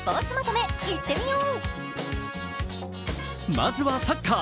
まずはサッカー。